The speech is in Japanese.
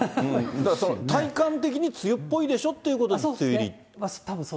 だから体感的に梅雨っぽいでしょってことで梅雨入り？